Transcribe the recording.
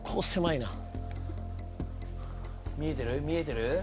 見えてる？